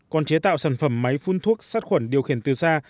còn chế tạo sản phẩm máy phun thuốc sát khuẩn điều khiển từ xa